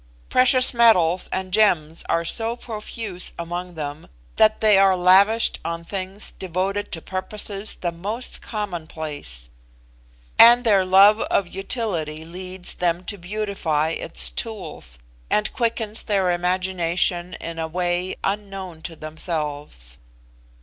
Precious metals and gems are so profuse among them, that they are lavished on things devoted to purposes the most commonplace; and their love of utility leads them to beautify its tools, and quickens their imagination in a way unknown to themselves.